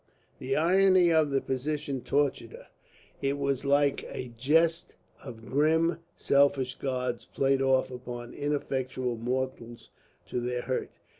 The irony of the position tortured her; it was like a jest of grim selfish gods played off upon ineffectual mortals to their hurt.